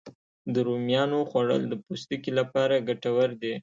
د رومیانو خوړل د پوستکي لپاره ګټور دي